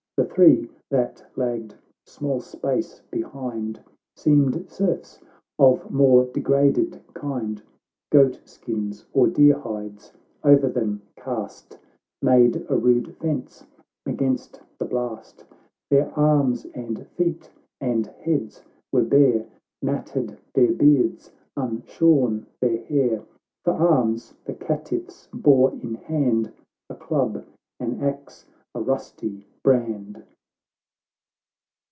The three, that lagged small space behind, Seemed serfs of more degraded kind ; Goat skins or deer hides o'er them cast, Made a rude fence against the blast ; Their arms and feet and heads were bare, Matted their beards, unshorn their hair ; For arms, the caitiffs bore in hand A club, an axe, a rusty brand.